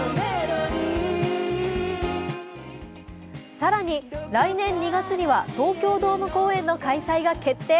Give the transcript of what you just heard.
更に、来年２月には東京ドーム公演の開催が決定。